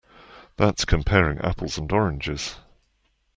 That's comparing apples and oranges.